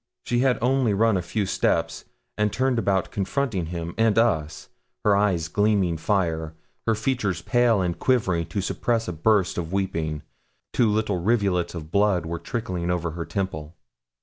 She had only run a few steps, and turned about confronting him and us, her eyes gleaming fire, her features pale and quivering to suppress a burst of weeping. Two little rivulets of blood were trickling over her temple.